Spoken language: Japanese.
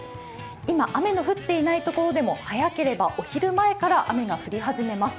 今、雨の降っていない所でも早ければお昼ごろから、雨が降り始めます。